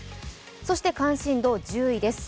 そして関心度１０位です。